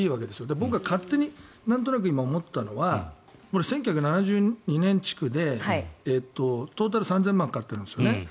僕は勝手になんとなく今、思ったのは１９７２年築でトータル３０００万かかってるんですよね。